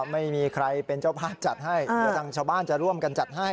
ไม่มีใครเป็นเจ้าภาพจัดให้เดี๋ยวทางชาวบ้านจะร่วมกันจัดให้